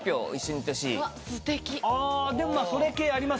あでもそれ系ありますよ。